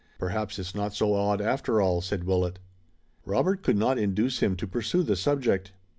"Perhaps it's not so odd after all," said Willet. Robert could not induce him to pursue the subject.